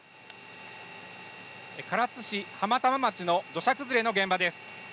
唐津市浜玉町の土砂崩れの現場です。